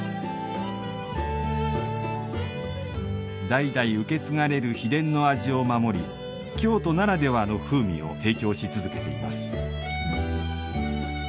代々受け継がれる秘伝の味を守り京都ならではの風味を提供し続けています。